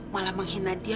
malah menghina dia